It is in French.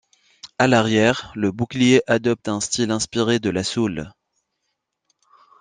À l'arrière, le bouclier adopte un style inspiré de la Soul.